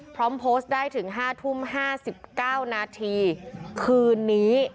พร้อมโพสต์ได้ถึง๕ทุ่ม๕๙นาทีคืนนี้